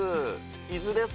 伊豆です。